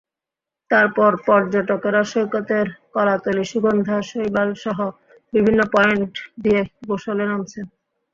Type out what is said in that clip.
তারপরও পর্যটকেরা সৈকতের কলাতলী, সুগন্ধা, শৈবালসহ বিভিন্ন পয়েন্ট দিয়ে গোসলে নামছেন।